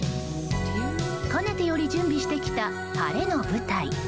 かねてより準備してきた晴れの舞台。